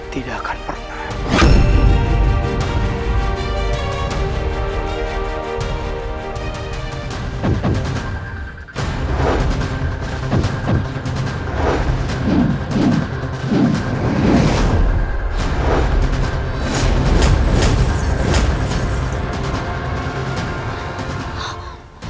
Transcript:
tidak akan pernah